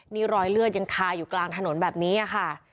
นี่รอยเลือดยังคาอยู่กลางถนนแบบนี้ค่ะ